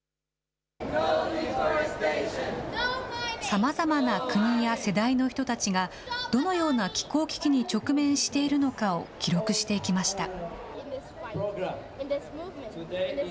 さまざまな国や世代の人たちが、どのような気候危機に直面しているのかを記録していきました。